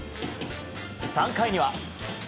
３回には。